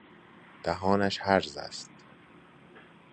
دهانش هرز است.